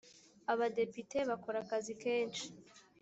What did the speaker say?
abadepite bakora akazi kenshi.